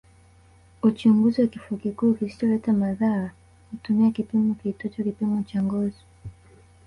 Uchunguzi wa kifua kikuu kisicholeta madhara hutumia kipimo kiitwacho kipimo cha ngozi